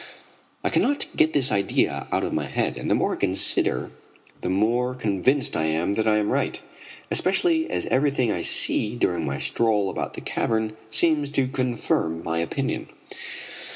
I cannot get this idea out of my head, and the more I consider the more convinced I am that I am right, especially as everything I see during my stroll about the cavern seems to confirm my opinion.